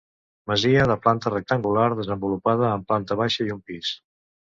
Masia de planta rectangular, desenvolupada en planta baixa i un pis.